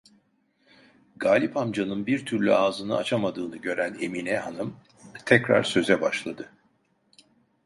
Galip amcanın bir türlü ağzını açamadığını gören Emine hanım tekrar söze başladı: